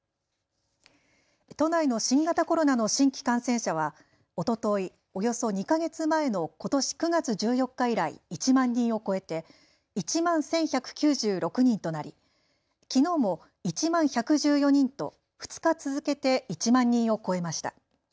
都内の新型コロナの新規感染者はおととい、およそ２か月前のことし９月１４日以来、１万人を超えて１万１１９６人となりきのうも１万１１４人と２日続けて１万人を超えました。